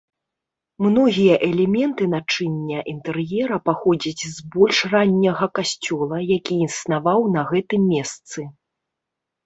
Многія элементы начыння інтэр'ера паходзяць з больш ранняга касцёла, які існаваў на гэтым месцы.